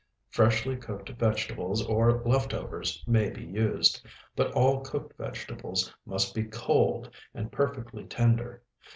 Freshly cooked vegetables or left overs may be used, but all cooked vegetables must be cold and perfectly tender.